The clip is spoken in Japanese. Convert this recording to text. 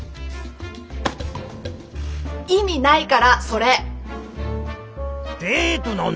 意味ないからそれ！